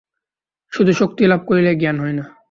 শুধু শক্তি লাভ করিলেই জ্ঞান হয় না।